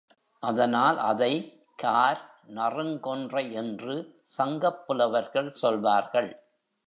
அதனால் அதை, கார் நறுங் கொன்றை என்று சங்கப் புலவர்கள் சொல்வார்கள்.